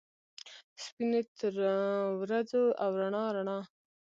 سپینې ترورځو ، او رڼا ، رڼا